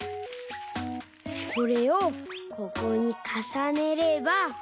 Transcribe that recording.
これをここにかさねれば。